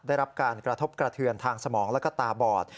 ได้รับการกระทบกระเทือนทางสมองแล้วก็ตาบอด